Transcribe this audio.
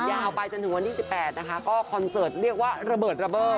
ยกเอาไปถึงวันที่สิบแปดนะคะก็คอนเซิร์ทเรียกว่าระเบิดระเบอร์